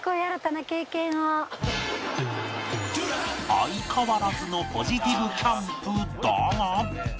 相変わらずのポジティブキャンプだが